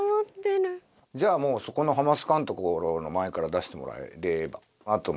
じゃあそこの「ハマスカ」のところの前から出してもらえればなと。